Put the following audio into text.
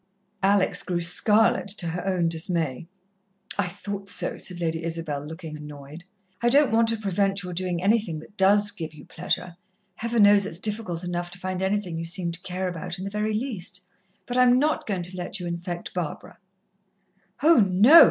Alex grew scarlet, to her own dismay. "I thought so," said Lady Isabel, looking annoyed. "I don't want to prevent your doing anything that does give you pleasure Heaven knows it's difficult enough to find anything you seem to care about in the very least but I am not goin' to let you infect Barbara." "Oh, no!"